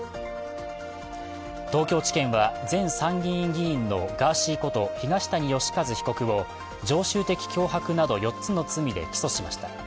東京地検は前参議院議員のガーシーこと東谷義和被告を常習的脅迫など４つの罪で起訴しました。